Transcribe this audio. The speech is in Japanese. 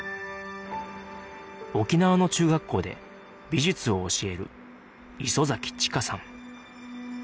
沖縄の中学校で美術を教える磯崎主佳さん